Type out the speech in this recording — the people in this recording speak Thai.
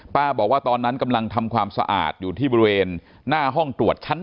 บอกว่าตอนนั้นกำลังทำความสะอาดอยู่ที่บริเวณหน้าห้องตรวจชั้น๓